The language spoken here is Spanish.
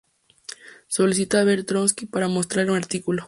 Solicitó ver a Trotski para mostrarle un artículo.